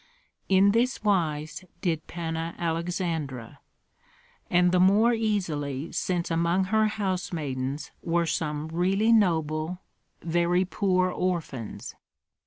In this wise did Panna Aleksandra; and the more easily since among her house maidens were some really noble, very poor orphans.